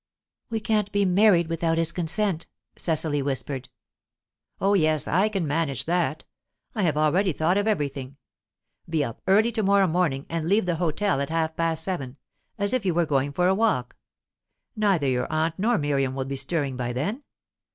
"We can't be married without his consent," Cecily whispered. "Oh yes; I can manage that. I have already thought of everything. Be up early to morrow morning, and leave the hotel at half past seven, as if you were going for a walk. Neither your aunt nor Miriam will be stirring by then.